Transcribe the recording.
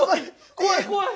怖い怖い！